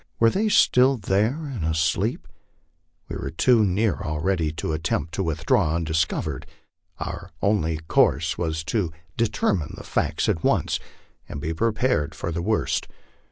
Were they still there and asleep? We were too near already to attempt to withdraw undiscovered. Our only course was to de 158 LIFE ON THE PLAINS. terraine the facts at once, and be prepared for the worst.